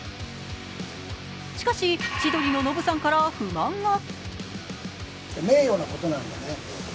しかし千鳥のノブさんから不満が。